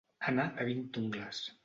Anar de vint ungles.